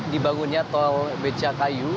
dibangunnya tol becakayu